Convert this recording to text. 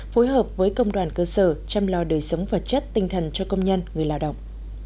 phối hợp với công đoàn cơ sở chăm lo đời sống vật chất tinh thần cho công nhân người lao động